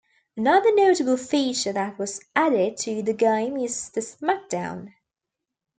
Another notable feature that was added to the game is the SmackDown!